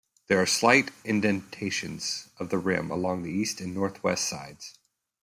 There are slight indentations of the rim along the east and northwest sides.